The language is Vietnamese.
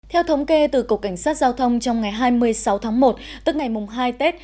theo thống kê từ cục cảnh sát giao thông trong ngày hai mươi sáu tháng một tức ngày mùng hai tết